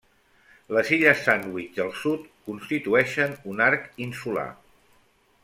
Les Illes Sandwich del Sud constitueixen un arc insular.